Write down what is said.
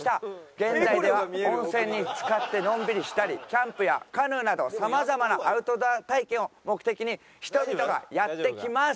現在では温泉に浸かってのんびりしたりキャンプやカヌーなど様々なアウトドア体験を目的に人々がやって来ます。